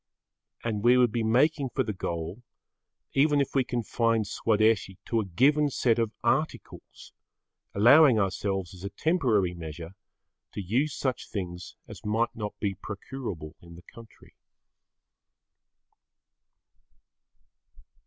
And we would be making for the goal even if we confined Swadeshi to a given set of articles allowing ourselves as a temporary measure to use such things as might not be procurable in the country.